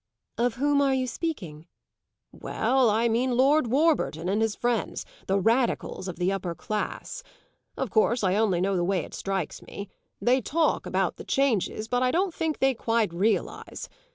"Of whom are you speaking?" "Well, I mean Lord Warburton and his friends the radicals of the upper class. Of course I only know the way it strikes me. They talk about the changes, but I don't think they quite realise.